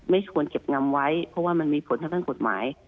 ไม่ควรเก็บงำไว้เพราะว่ามันมีผลทางด้านกฎหมาย